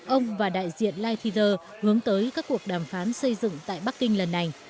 ông và đại diện lighthizer hướng tới các cuộc đàm phán xây dựng tại bắc kinh lần này